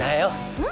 うん？